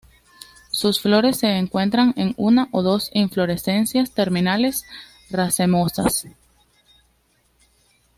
Sus flores se encuentran en una o dos inflorescencias terminales racemosas.